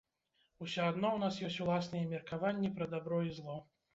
Усё адно ў нас ёсць уласныя меркаванні пра дабро і зло.